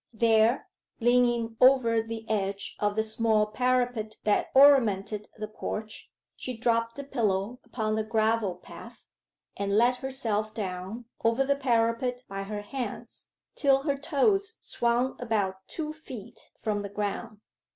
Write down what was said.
There, leaning over the edge of the small parapet that ornamented the porch, she dropped the pillow upon the gravel path, and let herself down over the parapet by her hands till her toes swung about two feet from the ground.